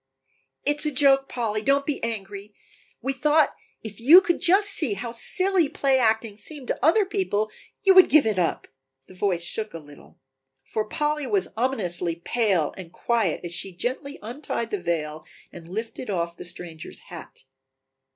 "It is a joke, Polly, don't be angry; we thought if you could just see how silly play acting seemed to other people you would give it up," the voice shook a little. For Polly was ominously pale and quiet as she gently untied the veil and lifted off the stranger's hat.